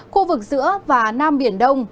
khu vực giữa và nam biển đông